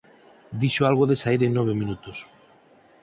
Dixo algo de saír en nove minutos.